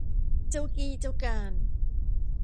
เจ้ากี้เจ้าการ